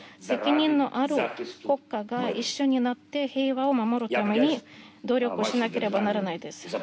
責任のある国家が一緒になって平和を守るために努力しなければならないです。